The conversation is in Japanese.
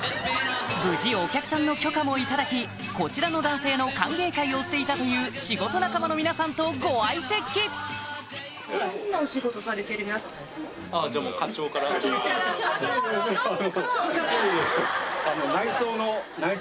無事お客さんの許可も頂きこちらの男性の歓迎会をしていたという仕事仲間の皆さんとご相席いやいや内装の。